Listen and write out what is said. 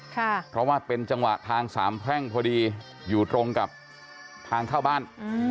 เพราะว่าเป็นจังหวะทางสามแพร่งพอดีอยู่ตรงกับทางเข้าบ้าน